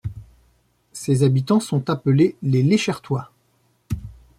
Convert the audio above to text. Ses habitants sont appelés les Leychertois.